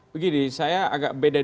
begini saya agak beda